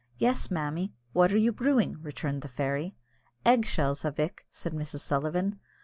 "Yes, mammy: what are you brewing?" returned the fairy. "Egg shells, a vick," said Mrs. Sullivan.